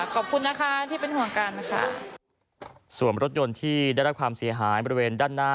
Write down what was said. ขอบคุณนะคะที่เป็นห่วงกันนะคะส่วนรถยนต์ที่ได้รับความเสียหายบริเวณด้านหน้า